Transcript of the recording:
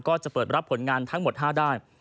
ก็จะเปิดรับผลงานทั้งหมด๕ด้าน